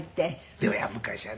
でも昔はね